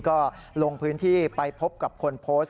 ก็ลงพื้นที่ไปพบกับคนโพสต์